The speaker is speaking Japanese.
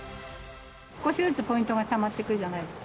少しずつポイントがたまっていくじゃないですか。